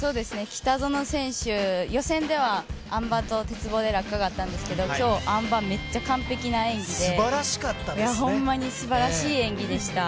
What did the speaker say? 北園選手、予選ではあん馬と鉄棒で落下があったんですけど今日、あん馬、めっちゃ完璧な演技でほんまにすばらしい演技でした。